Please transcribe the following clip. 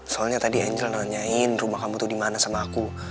soalnya tadi angel nanyain rumah kamu tuh dimana sama aku